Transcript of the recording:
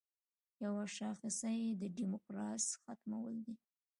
یوه شاخصه یې د دیموکراسۍ ختمول دي.